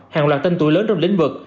hàng loạt tên tuổi lớn trong lĩnh vực